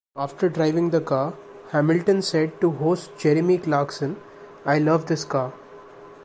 After driving the car, Hamilton said to host Jeremy Clarkson I love this car.